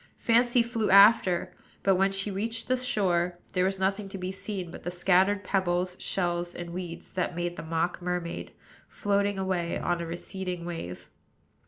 Fancy flew after; but, when she reached the shore, there was nothing to be seen but the scattered pebbles, shells, and weeds that made the mock mermaid, floating away on a receding wave.